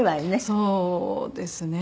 そうですね。